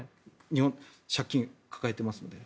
日本、借金抱えていますので。